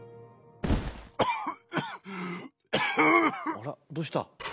あらどうした？